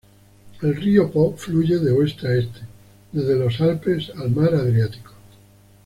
El río Po fluye de oeste a este, desde los Alpes al mar Adriático.